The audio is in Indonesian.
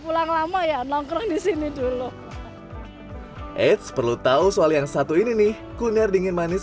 pulang lama ya nongkrong di sini dulu eits perlu tahu soal yang satu ini nih kuliner dingin manis